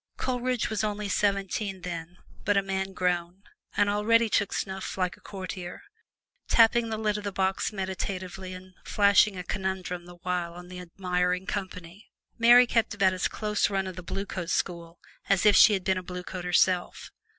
Coleridge was only seventeen then, but a man grown, and already took snuff like a courtier, tapping the lid of the box meditatively and flashing a conundrum the while on the admiring company. Mary kept about as close run of the Blue Coat School as if she had been a Blue Coat herself.